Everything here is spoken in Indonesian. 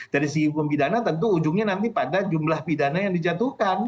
dari sisi hukum pidana tentu ujungnya nanti pada jumlah pidana yang dijatuhkan